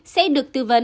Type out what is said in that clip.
sẽ được tự vệ